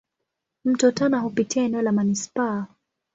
Mto Tana hupitia eneo la manispaa.